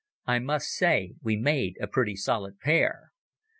I must say we made a pretty solid pair.